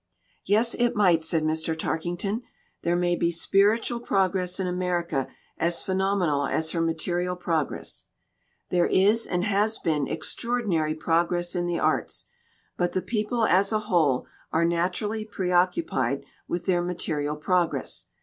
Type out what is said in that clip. "Yes, it might," said Mr. Tarkington. "There may be spiritual progress in America as phenom enal as her material progress. 35 LITERATURE IN THE MAKING " There is and has been extraordinary progress in the arts. But the people as a whole are natu rally preoccupied with their material progress.